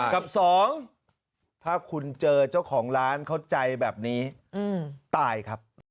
กับสองถ้าคุณเจอเจ้าของร้านเข้าใจแบบนี้ตายครับ